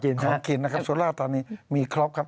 ของกินนะครับสุรธานีมีครอบครับ